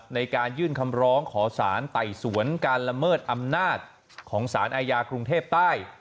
ในการยื่นคำร้องขอสารไต่สวนการละเมิดอำนาจของสารอาญากรุงเทพใต้